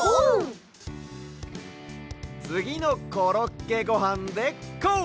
つぎの「コロッケごはん」でこう！